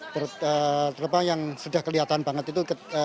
terutama yang sudah kelihatan banget itu